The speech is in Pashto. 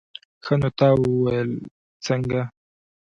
ښه نو تا ويل څنگه.